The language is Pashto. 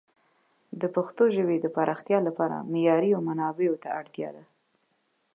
د پښتو ژبې د پراختیا لپاره معیاري منابعو ته اړتیا ده.